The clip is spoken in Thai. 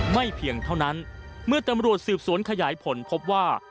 เพียงเท่านั้นเมื่อตำรวจสืบสวนขยายผลพบว่า